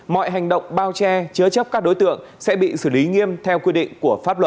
mọi hành động bao che chứa chấp các đối tượng sẽ bị xử lý nghiêm theo quy định của pháp luật